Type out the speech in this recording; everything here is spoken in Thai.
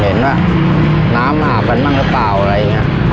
เห็นว่าน้ำหาบกันบ้างหรือเปล่าอะไรอย่างนี้